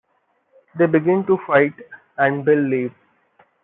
They begin to fight and Bill leaves.